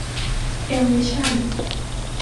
เอ็ม วิชั่น